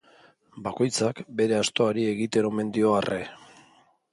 Bakoitzak bere astoari egiten omen dio arre.